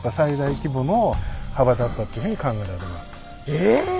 え！